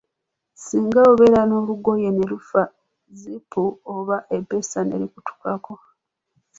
Singa obeera n'olugoye ne lufa zipu oba eppeesa ne likutukako.